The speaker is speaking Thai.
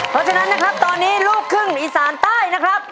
เพราะฉะนั้นนะครับตอนนี้ลูกครึ่งอีสานใต้นะครับ